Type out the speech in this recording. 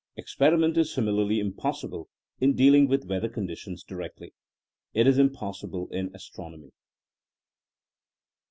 Experi ment is similarly impossible in dealing with weather conditions directly. It is impossible in astronomy.